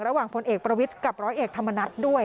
ระหว่างพลเอกประวิทธิ์กับร้อยเอกธรรมนัสด้วย